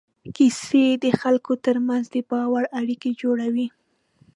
کیسې د خلکو تر منځ د باور اړیکه جوړوي.